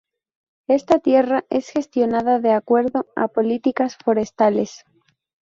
Esta tierra es gestionada de acuerdo a políticas forestales.